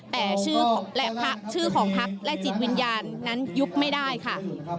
แต่ชื่อของพักและจิตวิญญาณนั้นยุบไม่ได้ค่ะ